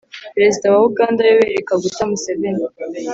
perezida wa uganda yoweri kaguta museveni